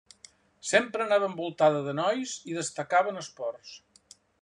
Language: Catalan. Sempre anava envoltada de nois i destacava en esports.